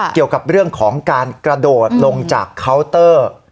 เกี่ยวกับเรื่องของการกระโดดลงจากเคาน์เตอร์